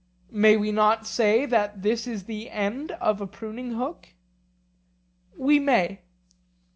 May we not say that this is the end of a pruning hook? We may.